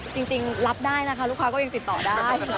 จริงรับได้นะคะลูกค้าก็ยังติดต่อได้